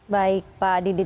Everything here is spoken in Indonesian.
baik pak didit